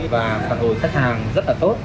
và phản hồi khách hàng rất là tốt